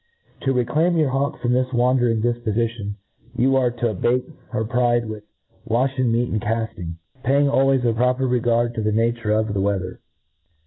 To reclaim your hawk from this wandering difpofition, you are to abate her pride with wa&ea meat and cafting, paying always a proper xeganl to the nature of the weather.